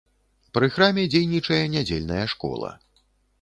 Пры храме дзейнічае нядзельная школа.